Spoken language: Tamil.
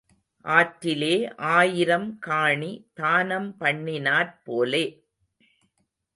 ஆற்றிலே ஆயிரம் காணி தானம் பண்ணினாற் போலே.